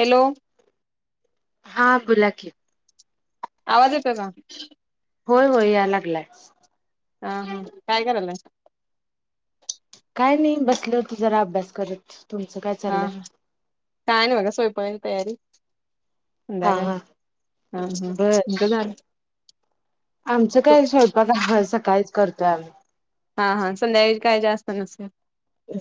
Hello हां बोला क आवाज येतो का होय होय याय लागलाय हा हा काय करारला काय नाही बसलं तर जरा अभ्यास करत तुमचं काय हा चाललंय? हा काय नाही बघा सोयपावाने तयारी हा संध्याकाळी हा हा हा बस तुमचं झालं? आमचं तू काय स्वयंपाक हा सकाळीच करतोय आम्ही, हा हा संध्याकाळी काय जास्त नसेल,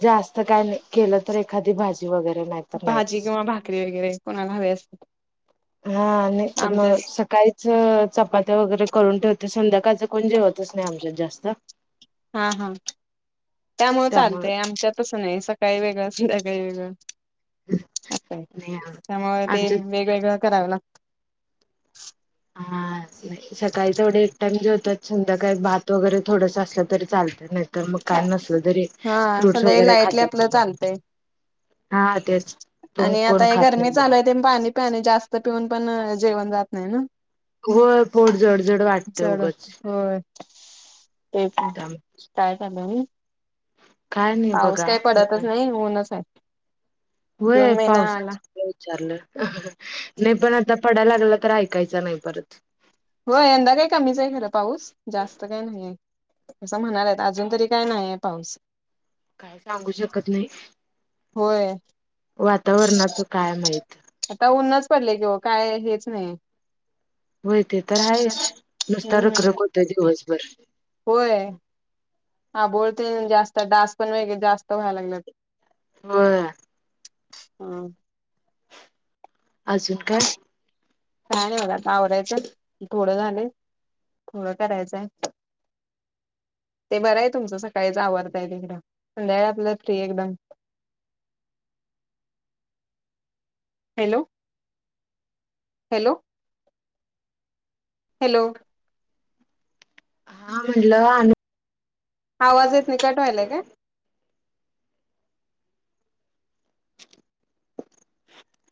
जास्त काय नाही केलं तर एखादी भाजी वैगरे नाही तर भाजी नाहीच. किंवा भाकरी वैगरे कोणाला हवे असते. हा आणि तर मग आमच्यात सकाळी, चपात्या वगैरे करून ठेवते संध्याकाळचं कोण जेवतच नाही आमच्यात जास्त हा हा त्यामुळे त्यामुळं चालतंय आमचं त्याच्यातस नाही असं काही वेगळं सध्या काही वेगळं नाही त्यामुळे ते आमच्यात वेगवेगळं करावं लागत हा सकाळी तेवढा एक टाईम जेवतात संध्याकाळी भात वगैरे आसल तरी चालते तर मग काय नसलं जरी हा फ्रूट्स संध्याकाळी वगैरे लाईटली खातात आपलं चालतंय. हा तेच तुम आणि आता कोण हे खात गरमी नाही चालू आहे ते पाणी पणे जास्त पिऊन पण जेवण जात नाही ना हो पोट जडझड वाटते जड उगच होतंय होय तेच त्यामुळे काय झालं मी काय नाही पाऊस बघा काही पडतच निवांत. नाही ऊनच आहे होय जून महिना आला पावसाच विचारलं नाही पण आता पडायला लागला तर ऐकायच नाही परत हो यंदा काही कमीच आहे खरं पाऊस जास्त काही नाही आहे असं म्हणालाय अजून तरी काय नाही आहे पाऊस काय सांगू शकत नाही होय वातावरणाचं काय माहित आता ननच पडले किं काय हेच नाही होय ते तर आहेच नुसता हम्म रखरख होत दिवसभर होय हा बोलते जास्त डास पण वेगळे जास्त व्हायला लागलेत हो हा अजून काय का नाही होला पावरायच थोडं झाले थोडं करायचंय ते बरं आहे तुमचं सकाळीच आवडता येईल एकदा संध्याकाळ आपल्याला फ्री एकदम हॅलो हॅलो हॅलो हा म्हणटलं आवाज येत नि कट व्हायलाय का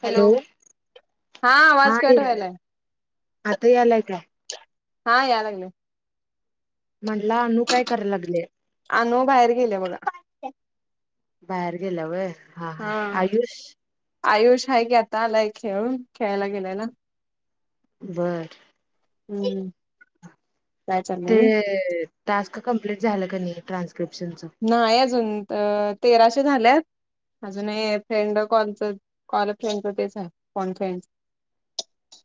हॅलो हा आवाज कट व्हायलाय आता आलाय का हा यालगली म्हटला अनु काय करायला लागले अनु बाहेर गेले बघा बाहेर गेल्यावर हा आयुष आहे की आतालाय खेळून खेळायला गेल्याला बरं हम्म काय चाललं ते मी टास्क कंप्लीट झालं का नाही ट्रान्स्क्रिप्शनचं नाही अजून तेराशे झाल्यात अजूनही फ्रेंड कॉलच कॉल फ्रेंडच तेच आहे फण फ्रेंड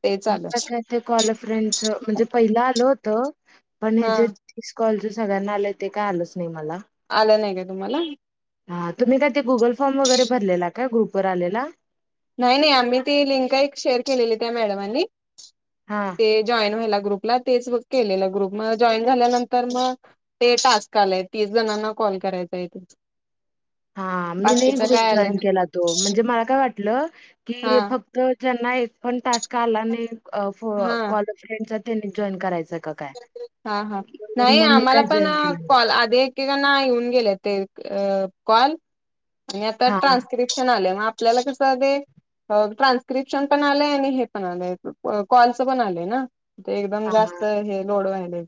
ते चालू म ते कॉल फ्रेंडच म्हणजे पहिलं आल होतं पण हे हा जे तीस कॉलज सगळ्यांना आलंय ते काय आलंच नाही मला आलं नाही का तुम्हाला हा तुम्ही काय ते गुगल फॉर्म वगैरे भरलेला का ग्रुपवरर आलेला नाही नाही आम्ही ती लिंक एक शेअर केलेली त्या मॅडमांनी हा ते जॉईन व्हायला ग्रुपला तेच केलेलं ग्रुप म जॉईन झाल्यानंतर मग ते टास्क आलेय तीस जणांना कॉल करायचा आहे त हा मी नाही ग्रुप जॉईन केला तो म्हणजे मला काय वाटलं हा की फक्त तर ज्यांना एक पण टास्क आला आणि हा कॉलेज फ्रेंडचा त्यांनी जॉईन करायच का काय? हा हा म्हणून नाही मग मी आम्हाला काय पण जॉईन केलं नाही. कॉल आधी एक एकानं येऊन गेले ते कॉल आणि आता हां, त्रास्क्रिप मग आपल्याला कस ट्रान्स्क्रिप्शन पण आलंय आणि हे पण आलंय कॉलच पण आलंय ना ते एकदम जास्त हां. हे लोड व्हायले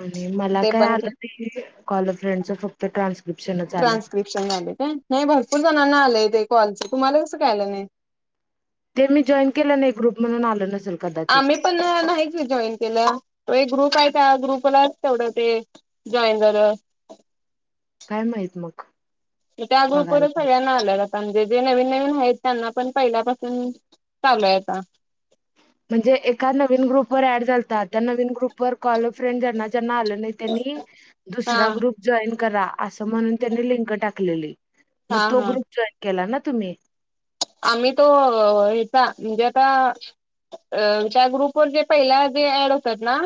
आणि मला काय आलं कॉल फ्रेंड फक्त ट्रान्स ट्रान्स्क्रिप्शन झाले का नाही भरपूर जणांना आलेय ते कॉलचं तुम्हाला कसं कायलं नाही ते मी जॉईन केलं नाही ग्रुप म्हणून आलं नसेल कदाचित. आम्ही पण नाहीच जॉईन केलं त एक ग्रुप आहे त्या ग्रुपलाच तेवढं ते जॉइन झाल्यावर काय माहित मग त्या बघायला ग्रुपवरच पाहिजे. सगळ्यांना आल्या म्हणजे जे नवीन नवीन आहेत त्यांना पण पहिल्यापासून चालू आहेता म्हणजे एका नवीन ग्रुप वर ऍड लतात त्या नवीन ग्रुप वर कॉल फ्रेंड जना ज्यांना आले नाही त्यांनी हा दुसरा ग्रुप जॉईन करा असं म्हणून त्यांनी लिंक टाकलेली हा मग तो हा ग्रुप जॉईन केला ना तुम्ही आम्ही तो हचा म्हणजे आता त्या ग्रुप वर जे पहिला जे ऍड होतात ना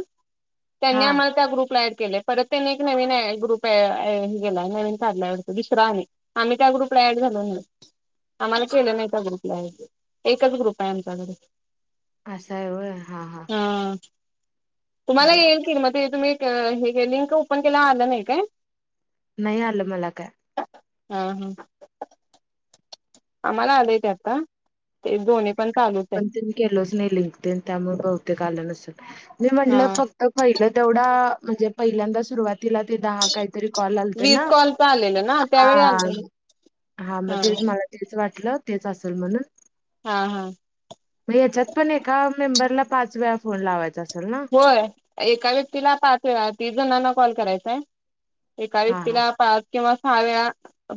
त्यांनी हा आम्हाला त्या ग्रुपला ड के परत त्यांनी एक नवीन आहे ग्रुप गेलाय नवीन काढला दुसरा आणि आम् त्या ग्रुपलायाड झालो म्ह आम्हाला केलं नाही ए ग्रुपला एकच ग्रुप आहे आमच्याकडे असा ये हा हा हा तुम्हाला बर येलतील मग तुम्ही हे लिंक ओपन केला आलं नाही काय नाही आलं मला काय हम् हम्म आम्हाला आलेय ते आता ते दोन् पण चालूच आहे केलच नाही लिंक त्यामुळे बहुतेक आलं नसल म म्हटलं हा फक्त तर पहिलं तेवढा म्हणजे पहिल्यांदा सुरुवात तिला ते दहा काहीतरी कॉल आलते ना वीस कॉलच आलेलं ना हा त्यावेळी आलेलं हा मग तेच मला तेच वाटलं तेच असेल म्हणून. हा हा मग याच्यात पण एका मेंबरला पाच वेळा फोन लावायचा असेल ना? होय एका व्यक्तीला पाच वेळा तीस जणांना कॉल करायचाय. एका हा हा व्यक्तीला पाच किंवा सहाव्या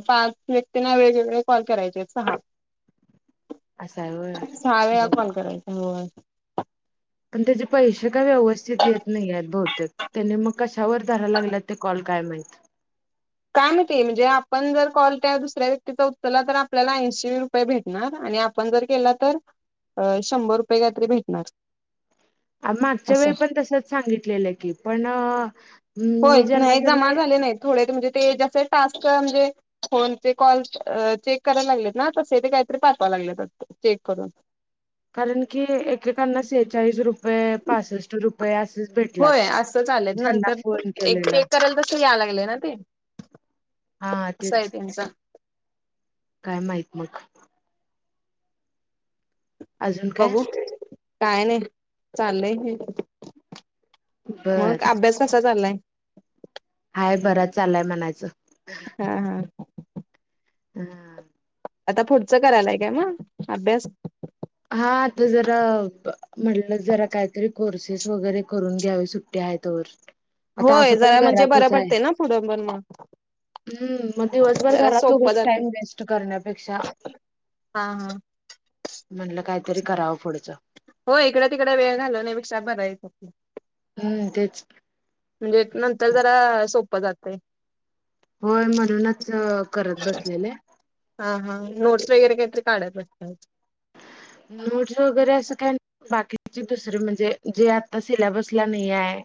पाच व्यक्तींना वेगवेगळे कॉल करायचे सहा. असं आहे होय सहा वेळा बर कॉल करायचे हो पण त्याचे पैसे का व्यवस्थित येत नाही आहेत बहुतेक त्याने मग कशावर धरायला लागेला ते कॉल काय माहित. काय माहिती म्हणजे आपण जर कॉल त्या दुसऱ्या व्यक्तीचा उचलला तर आपल्याला येनशी रुपये भेटणार आणि आपण जर केला तर शंभर रुपये काही तरी भेटणार. मागच्या असं वेळी पण तसच सांगितलेलं की पण होय मी ज्यांना नाही जमा ज्यांना झाले नाही थोडे म्हणजे ते जसे टास्क म्हणजे फोन चे कॉल चेक करायला लागलेत ना तसे ते काहीतरी पाठवां लागले चेक करून कारण की एकेकांना सेहेचाळीस रुपये पासष्ट रुपये असेच भेट होय असंच आलेत नंतर एक केलेला चेक करायल तस या लागले ना ते हा कस ये तेच त्यांचं? काय माहित मग? अजून काय बघू काय नाही चाललंय हे. मग बर अभ्यास कसा चाललाय? हाय बरंच चालाय म्हणायचं. हा हा हा आता पुढचं कराय काय म अभ्यास? हा आता जरा म्हटलं जरा काहीतरी कोर्सेस वगैरे करून घ्यावे सुट्टी आहे तोवर. आता होय असं पण जरा म्हणजे बरं घरातच आहे. पडते ना पुुढं पण म हम्म मग दिवसभर घरात रोज जाते टाइम वेस्ट करण्यापेक्षा. हा हा म्हटलं काहीतरी करावं पुढचं. हो इकड तिकड वेळ घालण्यापेक्षा बराय हम्म तेच म्हणजे नंतर जरा सोपं जातय. होय म्हणूनच करत बसलेले. हा हा नोट्स वगैरे काहीतरी काढत असतात. नोट्स वगैरे असं काय बाकीचे दुसर म्हणजे जे आता सिलेबसला नाही आहे.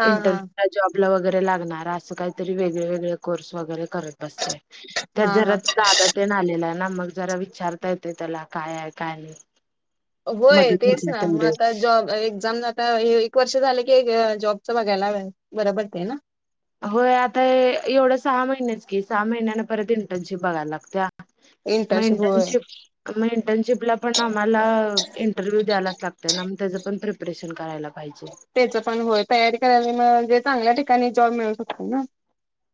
हा हा इंटरव्ह्यू ला जॉब ला वगैरे लागणार असं काहीतरी वेगळे वेगळे कोर्स वगैरे करत बसते. त्यात हा हा जरा त दादा तेन आलेला आहे ना मग जरा विचारता येते त्याला काय आहे काय नाही. होय मदत तेच होत्या ना मग आता तेवढेच जॉब एक्झाम झालं वर्ष झालं की एक जॉबचं बघायला बर पडते न. होय आता एवढं सहा महिनेच की सहा महिन्याना परत इंटर्नशिप बघायला लागतंय इंटरशिप होय. मग इंटर्नशिपला पण आम्हाला इंटरव्ह्यू द्यायच लागतय ना त्याच पण प्रि ऑपरेशन करायला पाहिजे त्याच पण होय तयारी करायला म्हणजे चांगल्या ठिकाणी जॉब मिळू शकतो ना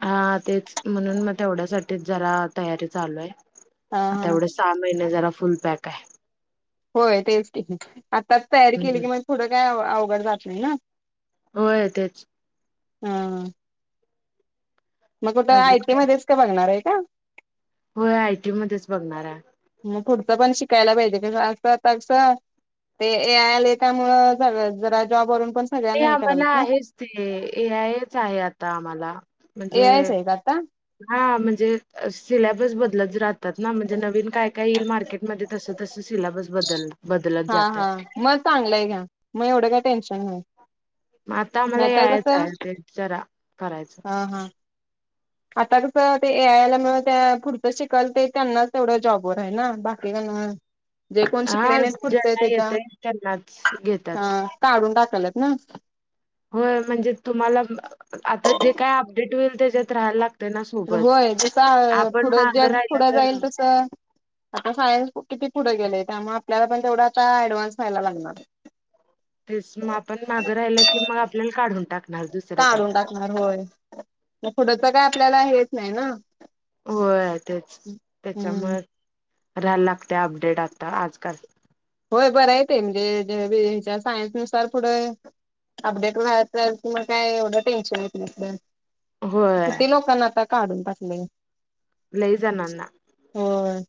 हा तेच म्हणून मग तेवढ्यासाठीच जरा तयारी चालू आहे हा आता हा एवढ्या सहा महिने जरा फुल पॅक आहे होय तेच ट आताच तयारी केली हम्म. की मग थोडं काय अवघड जात नाहीय ना होयेतच हम मग कुठं आयटी मध्येच काय बघणार आहे का होय आयटी मध्येच बघणार आहे मग पुढचं पण शिकायला पाहिजे कस तागस ते ए आयल त्यामुळ जरा जॉबवरून पण ते सगळ्यांना हे कराल आम्हाला ना आहेच ते ए आयच आहे आता आम्हाला ए म्हणजे आयच आहे का आता हा म्हणजे सिलेबस बदलत राहतात ना म्हणजे नवीन काय काय येईल मार्क तस तस सिलेबस बदल बदलत हा हा जातय मग चांगलंय घ्या मग एवढं काय टेन्शन नाही. मग आता आम्हाला नाहीतर यायचं कसं आहे ते जरा करायचं. हा हा. आता कसं ते ए आय ला म त्या पुढचं शिकाल ते त्यांनाच तेवढं जॉबवर आहे ना बाकीच्यांना जे कोण शिकले हा नाहीच पुढचं ज्यांना त्याच्या येतय त्यांनाच घेतात आ काढून टाकालत ना. होय म्हणजे तुम्हाला आता जे काय अपडेट होईल त्याच्यात राहायला लाग होय जसं पुडं मागं जग राहिलं पुढं जाईल तर तस आण सायन्स किती पुढे गेले त्यामुळे आपल्याला पण तेवढा आता ऍडव्हान्स व्हायला लागणार. तेच मग आपण मागं राहिलं की मग आपल्याला काढून टाक काढून टाकणार होय मग ुडंच काय आपल्याला हेच नाही ना. हो तेच हम्म त्याच्यामुळे राहायला लागते अपडेट आता आजकाल. होय बरं येते म्हणजे हच्या सायन्स नुसार पुढं... अपडेट व राल मग काय एवढं टेन्शन आहे तथं. होय किती लोकांना आता काढून टाकले. लय जणांना. होय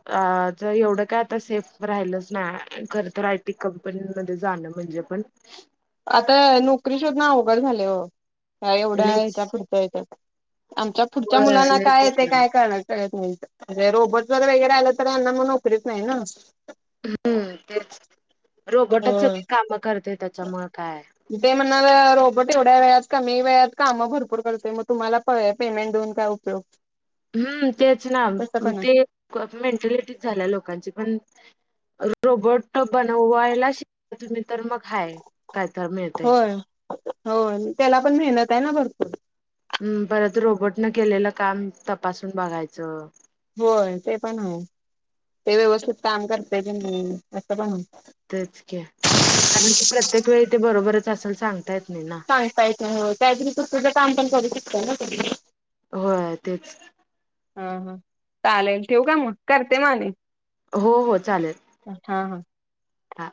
अ तर एवढं काय आता सेफ राहिलच नाही खर तर आयटी कंपनीमध्येध्ये जाणं म्हणजे.. पण. आता नोकरी शोधून अवघड झाले हो. ह एवढ्या लईच याच्या पुढच्या याच्यात आमच्या पुढच्या होय मुलांना लईच काय येत अवघड काय करणार? त नाहीे रोबोट जर वगरे आलं तर यांना मग नोकरीत नाही ना. हम्म तेच रोबोटच होय सगळी काम करते त्याच्यामुं काय. ते म्हणणा रोबोट एवढ्या वेळात कामी वेळत काम भरपूर करतोय मग तुम्हाला पेमेंट देऊन काय... [unintelligible] हम्म तेच ना तसं पण ते आहे मेंटालिटी झाल्या लोकांची पण.. रोबोट बनवायला शिकता तुम्ही तर मग हाय काय तर मिळतेय. होय हो त्याला पण मेहनत आहे ना भरपूर. हम् परत रोबोट न केलेलं काम तपासून बघायचं. होय ते पण आहे ते व्यवस्थित काम करते की नाही असं पण आहे. तेच क कारण की प्रत्येक वेळी ते बरोबरच असेल सांगता येत नाही ना. [unintelligible] होय तेच. ह हा चालेल ठेव का मग करते मागे. हो हो चालेल. हा हा. हा